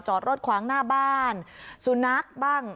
จอดรถขวางหน้าบ้านสุนัขบ้าง